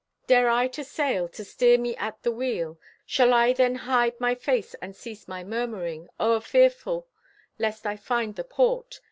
Dare I to sail, to steer me at the wheel? Shall I then hide my face and cease my murmuring, O'erfearful lest I find the port?